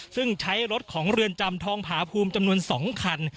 ซึ่งใช้รถของเรือนจำทองผาภูมิจำนวน๒คัน